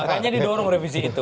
makanya didorong revisi itu